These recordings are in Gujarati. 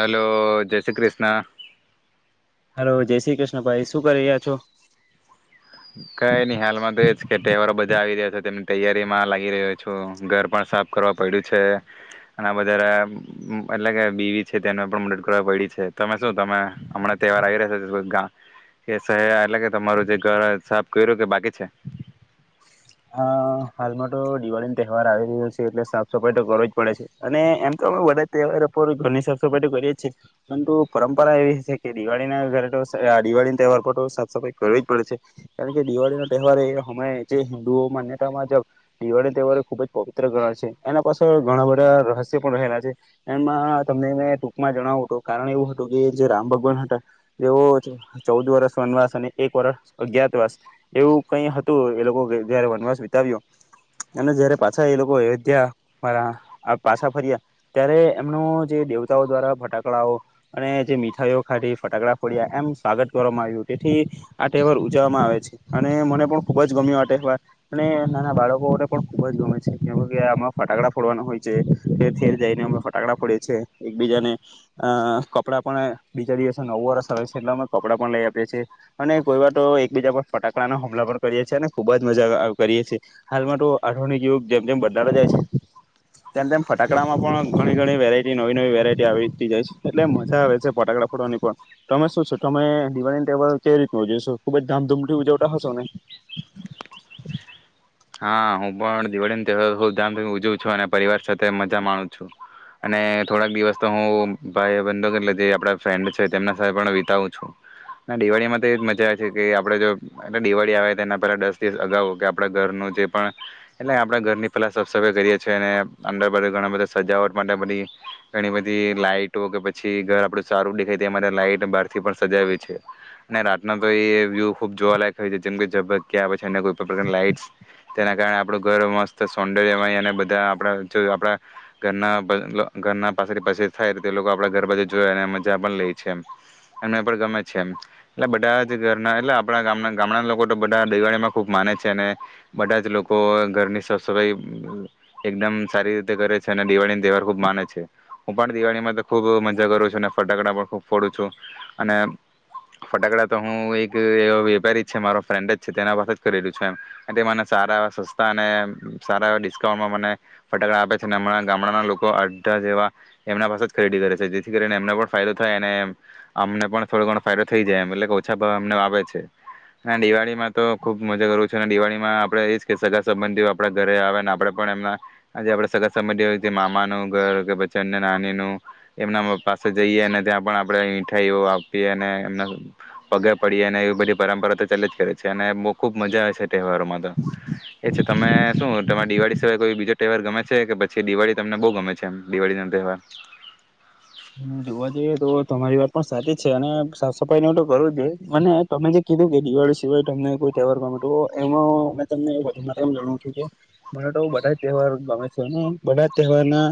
હલો જય શ્રી કૃષ્ણ. હલો જય શ્રી કૃષ્ણ ભાઈ શું કરી રહ્યા છો? કઈ નઈ હાલમાં તો એજ કે તહેવારો બ તહેવાર આવી રહ્યા છે તેમની તૈયારીમાં લાગી રહ્યો છું ઘર પણ સાફ કરવા પડ્યું છે અને આ વધારે એટલે કે બીવી છે તેને પણ મદદ કરવા પૈડી છે. તમે શું તમે હમણાં તહેવાર આવી રહ્યા છે ગામ કે શહેર એટલે કે તમારું જે ઘર સાફ કયરો કે બાકી છે. અ હાલમાં તો દિવાળીનો તહેવાર આવી રહ્યો છે એટલે સાફ સફાઈ તો કરવી જ પડે છે અને એમ તો અમે બધા તહેવારો પર ઘરની સાફ સફાઈ તો કરીએ જ છીએ પરંતુ પરંપરા એવી છે કે દિવાળી ના ઘરે તો દિવાળી ના તહેવાર પર તો સાફ સફાઈ કરવી જ પડે છે કારણ કે દિવાળીનો તહેવાર એ હમે જે હિન્દૂ તો મને તમાજ દિવાળી તહેવાર ખુબ જ પવિત્ર ગણાય છે. એના પાછળ ઘણા બધા રહસ્ય પણ રહેલા છે. એમાં તમને મેં ટૂંકમાં જણાવ્યું હતું કારણ એવું હતું કે જે રામ ભગવાન હતા તેઓ ચૌદ વર્ષ વનવાસ અને એક વરષ અજ્ઞાતવાસ એવું કઈ હતું એ લોકો જયારે વનવાસ વિતાવ્યો અને જયારે પાછા એ લોકો અયોધ્યા મારા પાછા ફર્યા ત્યારે એમનો જે દેવતાઓ દ્વારા ફટાકડાઓ અને જે મીઠાઈઓ ખાઢી ફટાકડા ફોડ્યા એમ સ્વાગત કરવામાં આવ્યું તેથી આ તહેવાર ઉજવવામાં આવે છે અને મને પણ ખુબ જ ગમ્યો આ તહેવાર. અને નાના બાળકોને પણ ખુબ જ ગમે છે કેમ કે આમાં ફટાકડા ફોડવાના હોય છે ઠેર ઠેર જઈને અમે ફટાકડા ફોડીએ છીએ. એકબીજાને અ કપડાં પણ બીજા દિવસ નવું વર્ષ આવે છે એટલે અમે કપડાં પણ લઈ આપીએ છીએ અને કોઈ વાર તો એકબીજા પર ફટાકડાના હુમલા પણ કરીએ છીએ અને ખુબ જ મજા કરીએ છીએ હાલમાં તો આધુિક યુગક જેમ જેમ બદ જાય છે તેમ તેમ ફટાકડામાં પણ ઘણી ઘણી વેરાયટી નવી નવી વેરાયટી આવીતી જાય છે એટલે મજા આવે છે ફટાકડા ફોડવાની પણ તમે શું શું તમે દિવાળીનો તહેવાર કેવી રીત ઉજવશો ખુબ જ ધામધૂમ થી ઉજવતા હશો ને. હા હું પણ દિવાળીનો તહેવાર ખૂબ ધામધૂમથી ઉજવું છું. અને પરિવાર સાથે મજા માણું છું અને થોડાક દિવસ તો હું ભાઈ બંધુ એટલે જે આપણા ફ્રેન્ડ છે તેમના સાથે પણ વિતાવું છું અને દિવાળીમાં તો એવી જ મજા આવે છે કે આપણે જો એટલે દિવાળી આવે તે એના પહેલા દસ દિવસ અગાઉ કે આપણે ઘરનું જે પણ એટલે આપણેે ઘરની પેલા સાફ સફાઈ કરીએ છીએ અને અંદર ઘણા બધા સજાવટ માટે બધી ઘણી બધી લાઈટો કે પછી ઘર આપડું સારું દેખાય છે તે માટે લાઈટ બારથી પણ સજાવીએ છે. ને રાતના તો એ વ્યુ ખુબ જોવાલાયક હોય છે. જેમ કે જબકિયા પછી ને એ કોઈ પણ પ્રકારની લાઈટસ તેના કારણે આપણું ઘર મસ્ત સૌંદર્યમય અને બધા આપડા જો આપડા જ ઘરના ઘરના પાછડી પછી થાય તે લોકો આપડા ઘર પાછુ જોઈ અને મજા પણ લે છે અને મને પણ ગમે છે. એટલે બધા જ ઘરના એટલે આપણા ગામના ગામડા લોકો તો બધા દિવાળીમાં ખુબ માને છે ને બધા જ લોકો ઘરની સાફ સફાઈ એકદમ સારી રીતે કરે છે અને દિવાળી તહેવાર ખુબ માને છે. હું પણ દિવાળીમાં તો ખૂબ મજા કરું છું અને ફટાકડા પણ ખૂબ ફોડું છું અને ફટાકડા તો હું એક વેપારી છે મારો ફ્રેન્ડ જ છે તેના પાસે જ ખરીદું છું એમ અને મને સારા એવા સસ્તા અને સારા ડિસ્કાઉન્ટમાં મને ફટાકડા આપે છે અને હમણાં ગામડાના લોકો અડધા જેવા એમના પાસે જ ખરીદી કરે છે જેથી કરીને એમને પણ ફાયદો થાય અને અમને પણ થોડો ઘણો ફાયદો થઈ જાય એમ એટલે કે ઓછા ભાવમા અમને આવે છે અને દિવાળીમાં તો ખુબ મજા કરું છે અને દિવાળી એમા આપણે એજ કે સગા સંબંધીઓ આપણા ઘરે આવે અને આપણે પણ એમના જે આપણા સગા સંબંધીઓ જે મામાનું ઘર કે પછી અન્ય નાની નું એમના પાસે જઈએ અને ત્યાં પણ આપણે મીઠાઈઓ આપીએ અને એમના પગે પડીએ અને એવી બધી પરંપરા તો ચાલીયા જ કરે છે અને બ ખુબ મજા આવે છે તહેવારોમાં. દમ એ છે. તમે શું તમારે દિવાળી સિવાય કોઈ બીજો તહેવાર ગમે છે કે પછી દિવાળી તમને બહુ ગમે છે એમ દિવાળીનો તહેવાર. જોવા જઈએ તો તમારી વાત પણ સાચી જ છે અને સાફ સફાઈ ન તો કરવું જ અને તમે જે કીધું કે દિવાળી સિવાય તમને કોઈ તહેવાર ગમે તો એમાં મે તમને એમ જણાવુ છું કે મને તો બધા તહેવાર ગમે છે અને બધા જ તહેવારના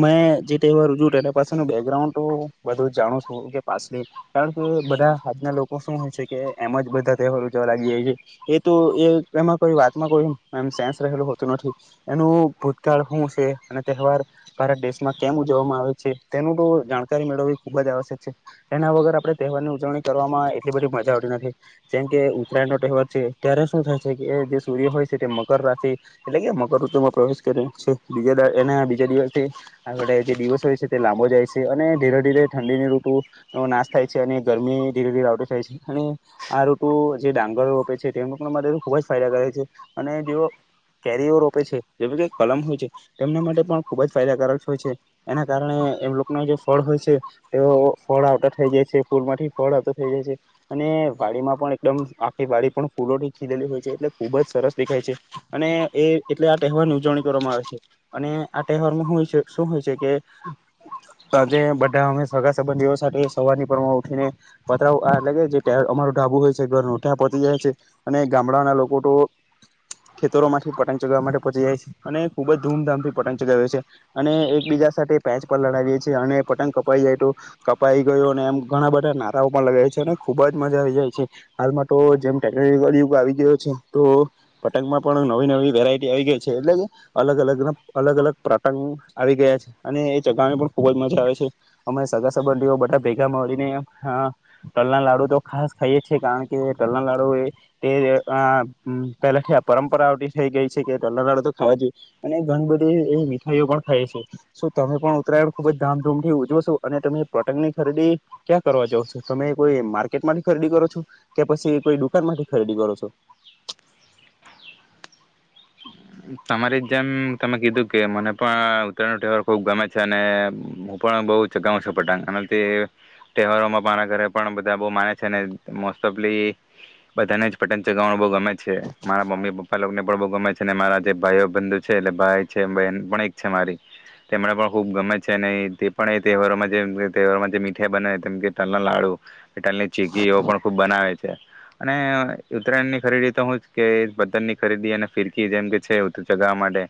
મેં જે તહેવાર ઉજવુ તે એના પાસે બે ગ્રાઉન્ડ તો બધું જાણું છું કે પાસે કારણ કે બધા આજના લોકો શું છે કે એમ જ બધા તહેવાર ઉજવવા લાગી જાય છે એ તો એ એમાં કોઈ વાતમાં કોઈ સેન્સ રહેલું હોતું નથી એનું ભૂતકાળ હુ છે અને તહેવાર ભારત દેશમાં કેમ ઉજવવામાં આવે છે તેનું તો જાણકારી મેળવવી ખુબ જ આવશ્યક છે એના વગર આપણે તહેવારની ઉજવણી કરવામાં એટલી બધી મજા આવતી નથી જેમ કે ઉત્તરાયણ નો તહેવાર છે ત્યારે શું થાય છે કે જે સૂર્ય હોય છે તે મકર રાશિ એટલે કે મકર ઋતુમાં પ્રવેશ કર્યો છે બીજ દાડે એના બીજા દિવસે આપણે જે દિવસ હોય છે તે લાંબો જાય છે. અને ધીરે ધીરે ઠંડીની ઋતુ નાશ થાય છે અને ગરમી ધીરે ધીરે આવટી થાય છે અને આ ઋતુ જે ડાંગરો રોપે છે તેમ લોકોના માટે ખૂબ જ ફાયદાકારક છે અને જેઓ કેરીઓ રોપે છે જેમ કે કલમ હોય છે તેમના માટે પણ ખૂબ જ ફાયદાકારક હોય છે એના કારણે એમ લોક એમાં જે ફળ હોય છે તેઓ ફળ આવતા થઈ જાય છે ફૂલમાંથી ફળ આવતા થઈ જાય છે અને વાડીમાં પણ એકદમ આખી વાડી પણ ફૂલોથી ખીલેેલી હોય છે એટલે ખુબ જ સરસ દેખાય છે અને એ એટલે આ તહેવારની ઉજવણી કરવામાં આવે છે. અને આ તહેવારમા હુ હોય છે શું હોય છે કે આજે બધા અમે સગા સંબંધીઓ સાથે સવારની પોરમા ઉઠીને પતરાઓ એટલે કે જે અમારુ ઢાબુ હોય છે ઘરનુ ત્યા પોહચી જાય છે. અને ગામડાના લોકો તો ખેતરોમાંથી પતંગ ચગાવવા માટે પોહચી જાય છે અને ખુબ જ ધૂમધામ થી પતંગ ચગાવ છે અને એકબીજા સાથે પેચ પર લ લગાવીએ છે. અને પતંગ કપાઈ જાય તો કપાઈ ગયો અને એમ ઘણા બધા નારાઓ પણ લગાવીએ છે. અને ખુબ જ મજા આવી જાય છે. હાલમાં તો જેમ ટેકનોલોજી યુગ આવી ગયો છે તો પતંગમાં પણ નવી નવી વેરાયટી આવી ગઈ છે. એટલે કે અલગ અલગ અલગ અલગ પ્રતંગ આવી ગયા છે અને એ ચગાવાની પણ ખૂબ જ મજા આવે છે. અમે સગા સંબંધીઓ બધા ભેગા મળીને આ તલના લાડુ તો ખાસ ખાઈએ છીએ કારણ કે તલના લાડુ એ તે અ પહેલાથી આ પરંપરા આવતી થઈ ગઈ છે કે તલના લાડુ તો ખાવા જોઈએ અને ઘણી બધી એ મીઠાઈઓ પણ ખાઈએ છે શું તમે પણ ઉતરાયણ ખૂબ જ ધામધૂમ થી ઉજવો છો? અને તમે પતંગની ખરીદી ક્યાં કરવા જાવ છો? તમે કોઈ માર્કેટમાંથી ખરીદી કરો છો કે પસી કોઈ દુકાનમાંથી ખરીદી કરો છો.? તમારી જેમ તમે કીધું કે મને પણ ઉત્તરાયણનો તહેવાર ખુબ ગમે છે અને હું પણ બહુ ચગાવું છું પતંગ આ ને તે તહેવારોમાં મારા ઘરે પણ બધા બહુ માને છે મોસ્ટ ઓફલી બધાને જ પતંગ ચગાવવાનું બહુ ગમે છે મારા મમ્મી પપ્પા લોકોને પણ બહુ ગમે છે અને મારા જે ભાઈઓ બંધુ છે એટલે ભાઈ છે બહેન પણ એક છે મારી તેમને પણ ખૂબ ગમે છે અને તે પણ એ તહેવારોમાં જે તહેવારોમાં જે મીઠાઈ બનાવે કે તલના લાડુ તલની ચીકીઓ પણ ખૂબ બનાવે છે અને ઉત્તરાયણ ની ખરીદી તો હું જ કે પતંગની ખરીદી અને ફિરકી જેમ કે છેવટે ચગાવવા માટે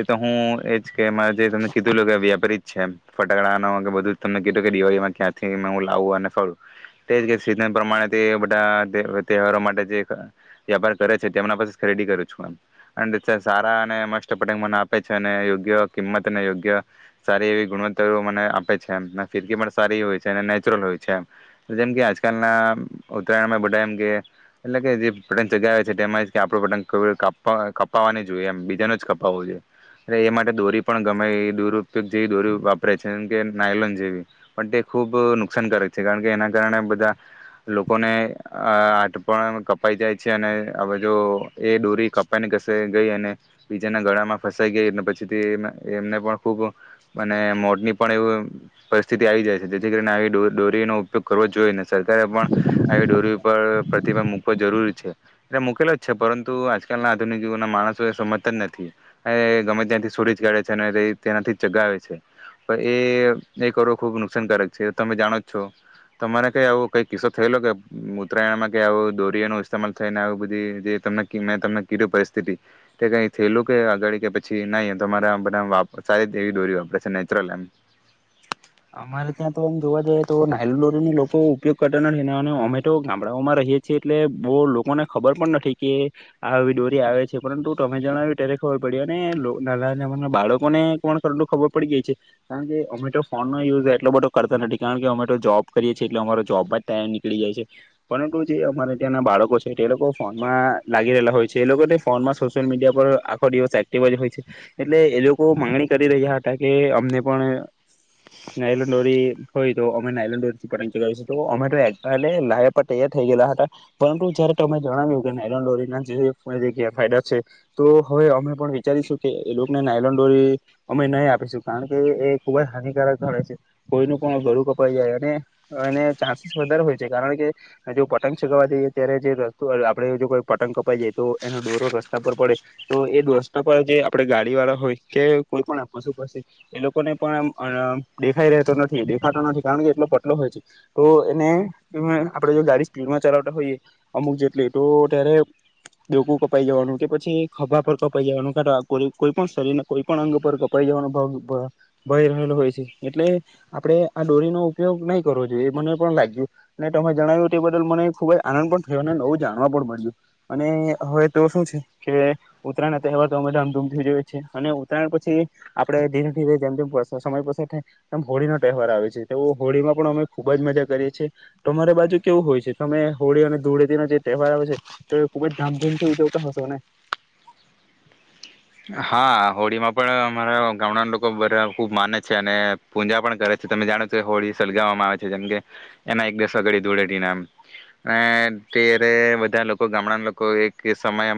એ તો હું એજ કે મેં તમને કીધેલુ કે વ્યાપારી જ છે ફટાકડાનો બધું તમને કીધું દિવાળીમાં ક્યાંથી હું લાવું અને ફરું તેજ કે સિઝન પ્રમાણે તે બધા તહેવારો માટે જે વ્યાપાર કરે છે તેમના પાસે જ ખરીદી કરું છું એમ સારા અને મસ્ત પતંગ મને આપે છે અને યોગ્ય કિંમત અને યોગ્ય સારી એવી ગુણવત્તા મને આપે છે એમ ફિરકી પણ સારી હોય છે અને નેચરલ હોય છે એમ જેમ કે આજકાલના ઉત્તરાયણમાં બધા એમ કે એટલે કે જે પતંગ ચગાવે છે તેમજ કે આપણું પતંગ કોઈએ કાપવાનો કા કપાવાની જોઈએ એમ બીજાનો જ કપાવવો જોઈએ એ એ માટે દોરી પણ ગમે દુરુપયોગ જેવી દોરી વાપરે છેમ કે નાયલોન જેવી પણ તે ખૂબ નુકસાનકારક છે કારણ કે એના કારણે બધા લોકોને હાથ પણ કપાઈ જાય છે અને હવે જો એ દોરી કપાઈને ધ સાઈ ગઈ અને બીજાના ગળામાં ફસાઈ ગઈ પછી તે એમને પણ ખુબ અને મોતની પણ એવ પરિસ્થિતિ આવી જાય છે જેથી કરીને આવી ડોર ડોરીનો ઉપયોગ કરવો જોઈએ નઈ સરકારે પણ આવી ડોરી ઉપર પ્રતિબંધ મૂકવ જરૂરી છે એટલે મૂકેલો જ છે પરંતુ આજકાલના આધુનિક. [inaudible] માણસો સમજતા જ નથી, આ ગમે ત્યાંથી શોધી જ કાઢે છે અને [inaudible] તેનાથી ચગાવે છે પણ એ એ કરવો ખુબ નુકસાનકારક છે તમે જાણો જ છો તમારે કઈ આવો કઈ કિસ્સો થયેલો કે ઉત્તરાયણમાં ક આવો દોરી નો ઇસ્તેમાલ થઈને આવ બધી જે તમને મેં તમને કીધું [inaudible] કઈ થયેલું કે આગળ કે પછી નહી તમારે બધા સારી એવી દોરી વાપડે છે નેચરલ એમ. અમારે ત્યાં તો આમ જોવા જઈએ તો નાયલોન લોકો ઉપયોગ કરતા નથી અમેટો ગામડાઓમાં રહીએ છીએ એટલે બહુ લોકોને ખબર પણ નથી કે આવી ડોરી આવે છે પરંતુ તમે જણાવ્યું ત્યારે ખબર પડી અને [unintelligible] બાળકોને [inaudible] ખબર પડી ગઈ છે કારણ કે અમેટો ફોન યુઝ એટલો બધો કરતા નથી કારણ કે અમે તો જોબ કરીએ છીએ એટલે અમારો જોબમાં જ ટાઈમ નીકળી જાય છે પરંતુ જે અમારે ત્યાં બાળકો છે એ લોકો ફોનમાં લાગી રહેલા હોય છે એ લોકોને ફોનમાં સોશિયલ મીડિયા પર આખો દિવસ એક્ટિવ જ હોય છે એટલે એ લોકો માંગણી કરી રહ્યા હતા કે અમને પણ. નાયલોન્ ડોરી હોય તો અમે નાયલોડોરીથી પતંગ ચગાવીશું તો અમે તો [inaudible] લાવી આપવા તૈયાર થઈ ગયલા હતા પરંતુ જયારે તમે જણાવ્યું કે નાયલો ડોરીના જે ગેરફાયદા છે તો હવે અમે પણ વિચારીશું કે એ લોકોને નાયલોન્ ડોરી અમે નહી આપીશું કારણ કે એ ખુબ જ હાનિકારક. [inaudible] કોઈનું પણ ગરું કપાઈ જાય અને એને ચાન્સીસ વધારે હોય છે કારણ કે જો પતંગ ચગાવવા જઈએ ત્યારે જે આપડે જો કોઈ પતંગ કપાઈ જાય તો એનો ડોરો રસ્તા પર પડે તો એ રસ્તા પર જે આપણે ગાડી વાળા હોય કે કોઈ પણ પશુ પસી એ લોકોને પણ આમ [unintelligible] દેખાઈ રેતો નથી દેખાતો નથી કારણ કે એટલો પટલો હોય છે તો એને આપડે જો ગાડી સ્પીડમાં ચલાવતા હોઈએ અમુક જેટલી તો ત્યારે ડોકું કપાઈ જવાનું કે પછી ખભા પર કપાઈ જવાનું કાટો કોઈ પણ શરીરને કોઈ પણ અંગ પર કપાઈ જવાનો ભ ભ ભય રહેલો હોય છે. એટલે આપડે આ ડોરીનો ઉપયોગ નહી કરવો જોઈએ મને પણ લાગ્યું અને તમે જણાવ્યું તે બદલ મને ખુબ જ આનંદ પણ થયો અને નવું જાણવા પણ મળ્યું અને હવે તો શું છે કે ઉત્તરાયણ ના તહેવાર તો અમે ધામધૂમથી જોઈએ છે અને ઉત્તરાયણ પછી આપડણે ધીરે ધીરે જેમ જેમ સમય પસાર થાય. આમ હોળીનો તહેવાર આવે છે તો હોળીમાં પણ અમે ખુબ જ મજા કરીએ છીએ તમારી બાજુ કેવું હોય છે તમે હોળી અને ધૂળેતીના જે તહેવાર આવે છે તો એ ખુબ જ ધામધૂમથી ઉજવતા હશો ને? હા હોળી માં પણ અમારા ગામડા લોકો બધા ખુબ માને છે અને પૂજા પણ કરે છે તમે જાણો છો કે હોળી સળગાવવામાં આવે છે જેમ કે એના એક દસગડી ધૂળેટી ના ત્યારે બધા લોકો ગામડા લોકો એક સમય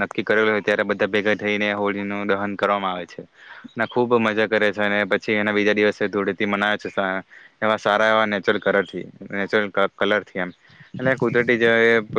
નક્કી કરેલો હોય ત્યારે બધા ભેગા. થઈને હોળીનું દહન કરવામાં આવે છે અને ખૂબ મજા કરે છે અને પછી એના બીજા દિવસે ધૂળેથી મનાવે છે એવા સારા એવા નેચરલ કલરથી નેચરલ કલરથી એમ એટલે કુદરતી જે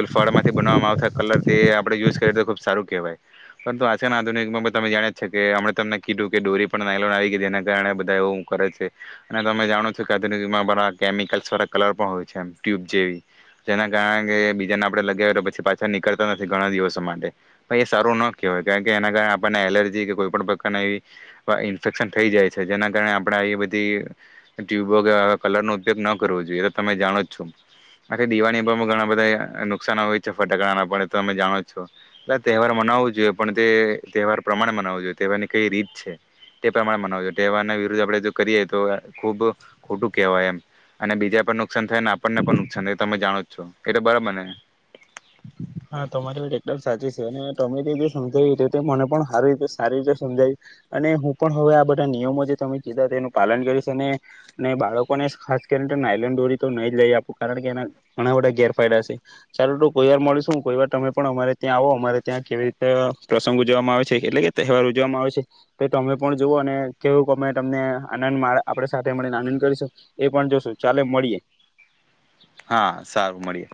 લફાળમાંથી બનાવવામાં આવતા કલરથી એ આપણે યુઝ કરીએ તો ખૂબ સારું કહેવાય પરંતુ. [unintelligible] તમે જાણે જ છે કે હમણે તમને કીધું કે ડોરી પણ નાયલોન આવી ગઈ જેના કારણે બધા એવું કરે છે અને તમે જાણો છો કે આધુનિકમાં બધા કેમિકલ્સ વાળા કલર પણ હોય છે એમ ટ્યુબ જેવી જેના કારણ કે બીજાને આપડે લગાવ તો પછી પાછા નીકળતા નથી ઘણા દિવસો માટે પ એ સારું ન કહેવાય. કારણ કે એના કારણે આપણને એલર્જી કે કોઈ પણ પ્રકારના એવી ઇન્ફેક્શન થઈ જાય છે જેના કારણે આપણે આ બધી ટ્યુબો કે કલર નો ઉપયોગ ન કરવો જોઈએ તો તમે જાણો છો આ દિવાળી પર ઘણા બધા નુકસાાન હોય છે ફટાકડા ના પણ તમે જાણો જ છો એટલે તહેવાર મનાવો જોઈએ. પણ તે તહેવાર પ્રમાણે મનાવો જોઈએ તહેવારની કઈ રીત છે તે પ્રમાણે મનાવ જોઈએ તહેવારના વિરુદ્ધ આપણે જો કરીએ તો ખુબ ખોટું કહેવાય એમ અને બીજા પણ નુકસાન થાય ને આપણને પણ નુકસાન થાય તમે જાણો જ છો એટલે બરાબર ને. હા તમારી માટેત એકદમ સાચી છે અને તમે જે સમજાવ મને પણ સ રીતે સારી રીતે સમજાવી અને હું પણ હવે આ બધા નિયમો જે તમે જીધ તેનું પાલન કરીશ અને અને બાળકોને ખાસ કરીને નાઇલન દોરી તો નહી જ લઈ આપું કારણ કે એના ઘણા બધા ગેરફાયદા છે સારું તું કોઈ વાર મળીશ. શું કોઈ વાર તમે પણ અમારે ત્યાં આવો અમારે ત્યાં કેવી રીતે પ્રસંગ ઉજવામાં આવે છે એટલે કે તહેવાર ઉજવામાં આવે છે તો તમે પણ જુઓ અને કેવુંમે તમને આનંદ આપણે સાથે મળીને આનંદ કરીશું એ પણ જોશું ચાલે મળીએ. હા સારું મળીએ.